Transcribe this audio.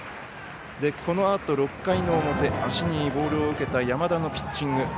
このあと、６回の表足にボールを受けた山田のピッチング。